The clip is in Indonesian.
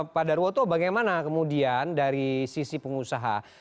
pak darwoto bagaimana kemudian dari sisi pengusaha